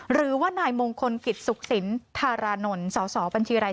หรือว่านายมงคลกิจศุกษินทารณนศบัญชีอะไร